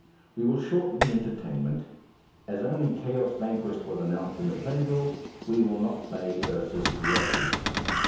We will shorten the entertainment; as only 'Chaos Vanquished' was announced in the playbill, we will not play 'Ursus Rursus.'